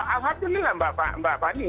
alhamdulillah mbak fani